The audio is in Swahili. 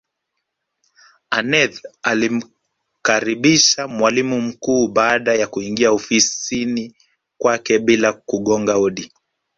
aneth alimkaribisha mwalimu mkuu baada ya kuingia ofisini kwake bila kugonga hodi